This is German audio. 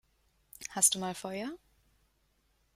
Hast du mal Feuer?